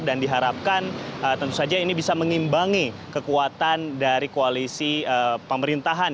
dan diharapkan tentu saja ini bisa mengimbangi kekuatan dari koalisi pemerintahan